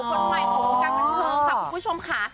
คนใหม่ของโรงพยาบาลการ์เมืองค่ะคุณผู้ชมค่ะ